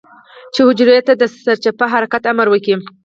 چې حجرو ته د سرچپه حرکت امر وکي.